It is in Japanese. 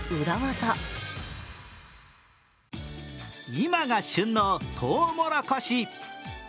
今が旬のとうもろこし。